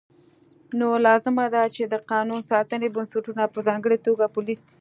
نو لازمه ده چې د قانون ساتنې بنسټونه په ځانګړې توګه پولیس